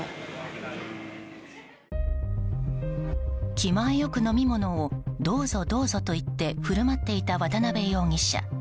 気前よく、飲み物をどうぞ、どうぞと言って振る舞っていた渡邉容疑者。